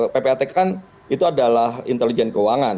ppatk kan itu adalah intelijen keuangan